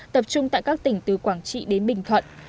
tập trung tại các tỉnh từ quảng trị đến bình thuận